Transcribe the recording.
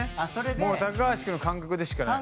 もう高橋くんの感覚でしかない。